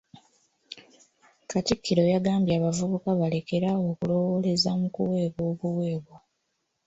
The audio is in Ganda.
Katikkiro yagambye abavubuka balekere awo okulowooleza mu kuweebwa obuweebwa.